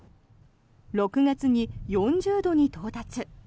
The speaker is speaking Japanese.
６月に４０度に到達。